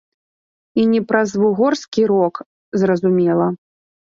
І не праз вугорскі рок, зразумела.